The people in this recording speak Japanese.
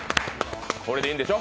これでいいんでしょ？